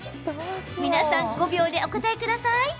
皆さん、５秒でお答えください！